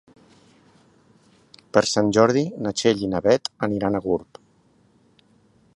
Per Sant Jordi na Txell i na Beth aniran a Gurb.